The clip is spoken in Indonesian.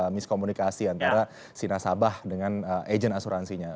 mis komunikasi antara si nasabah dengan agent asuransinya